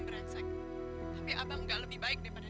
terus kamu tidur dimana